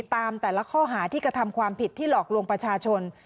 ตามแต่ละข้อหาที่กระทำความผิดที่หลอกลวงประชาชน